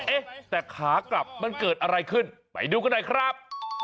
เอ๊ะแต่ขากลับมันเกิดอะไรขึ้นไปดูกันหน่อยครับ